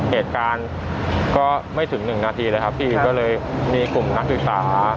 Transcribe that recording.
เหตุการณ์ก็ไม่ถึงหนึ่งนาทีเลยครับพี่ก็เลยมีกลุ่มนักศึกษา